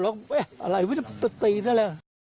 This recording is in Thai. เราก็เอ๊ะอะไรวะตะตีนั่นแหละ